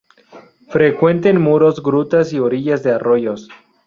Frecuente en muros, grutas y orillas de arroyos.